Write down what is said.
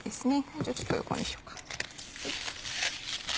じゃあちょっと横にしようか。